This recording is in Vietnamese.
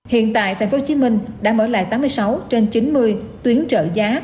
hiện tại thành phố hồ chí minh đã mở lại tám mươi sáu trên chín mươi tuyến trợ giá